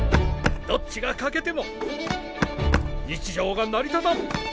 どっちが欠けても日常が成り立たん。